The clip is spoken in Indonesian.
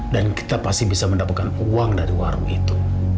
dan kita pasti bisa mendapatkan uang dari warung itu